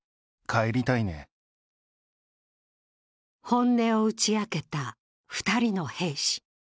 本音を打ち明けた２人の兵士。